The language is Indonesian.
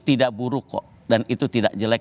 tidak buruk kok dan itu tidak jelek